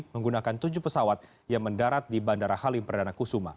menggunakan tujuh pesawat yang mendarat di bandara halim perdana kusuma